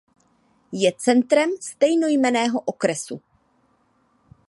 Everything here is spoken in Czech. Je centrem stejnojmenného okresu.